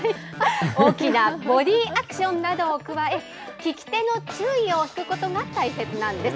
大きなボディアクションなどを加え、聞き手の注意を引くことが大切なんです。